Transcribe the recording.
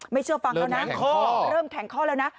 ไม่เชื่อฟังแล้วนะเริ่มแข็งข้อแล้วนะเริ่มแข็งข้อ